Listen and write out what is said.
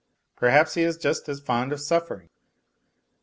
Perhaps he is just as fond of suffering